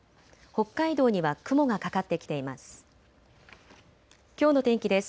北海道には雲がかかってきています。